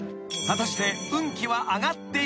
［果たして］